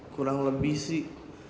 kurang lebih sih